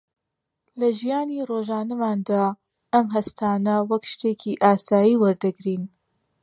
لە ژیانی ڕۆژانەماندا ئەم هەستانە وەک شتێکی ئاسایی وەردەگرین